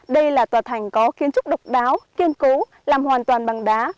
đây là tòa thành có kiến trúc độc đáo kiên cố làm hoàn toàn bằng đá